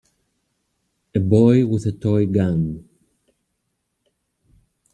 A boy with a toy gun.